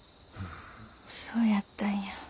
そうやったんや。